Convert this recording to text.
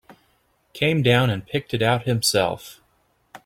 Came down and picked it out himself.